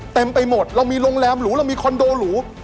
เต็มไปหมดเรามีโรงแรมหรูเรามีคอนโดหรู